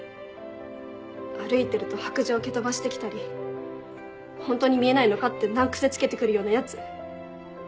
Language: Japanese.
歩いてると白杖蹴飛ばして来たり「ホントに見えないのか？」って難癖つけて来るようなヤツ。